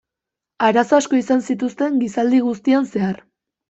Arazo asko izan zituzten gizaldi guztian zehar.